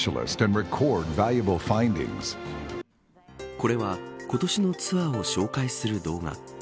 これは今年のツアーを紹介する動画。